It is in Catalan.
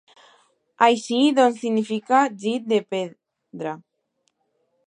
Així doncs, significa 'llit de pedra'.